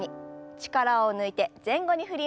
力を抜いて前後に振ります。